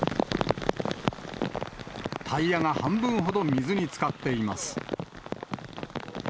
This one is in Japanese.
タイヤが半分ほど水につかっています。